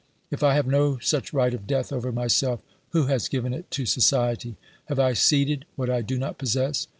If I have no such right of death over myself, who has given it to society ? Have I ceded what I do not possess